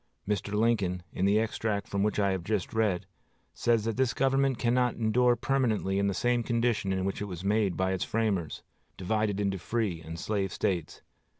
Mr. Lincoln, in the extract from which I have read, says that this government cannot endure permanently in the same condition in which it was made by its framers divided into free and slave States.